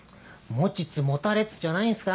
持ちつ持たれつじゃないんすか。